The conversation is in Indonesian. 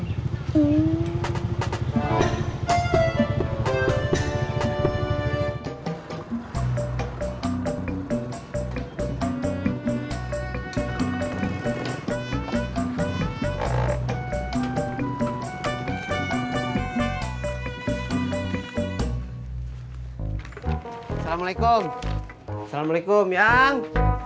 assalamualaikum assalamualaikum yang